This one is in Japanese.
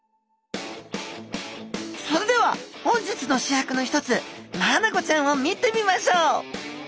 それでは本日の主役の１つマアナゴちゃんを見てみましょう！